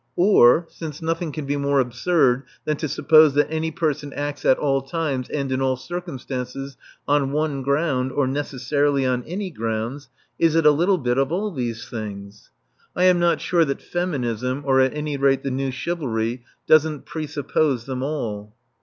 Or, since nothing can be more absurd than to suppose that any person acts at all times and in all circumstances on one ground, or necessarily on any grounds, is it a little bit of all these things? I am not sure that Feminism, or at any rate the New Chivalry, doesn't presuppose them all.